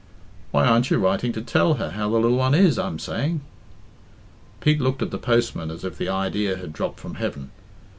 "Why aren't you writing to tell her how the lil one is, I'm saying?" Pete looked at the postman as if the idea had dropped from heaven.